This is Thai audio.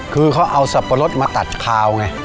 คือเขาเอาสับปะรดมาตัดคาวไง